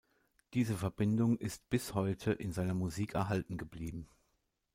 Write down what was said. Diese Verbindung ist bis heute in seiner Musik erhalten geblieben.